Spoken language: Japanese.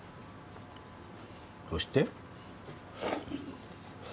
そして。